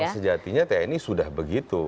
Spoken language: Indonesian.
sejatinya tni sudah begitu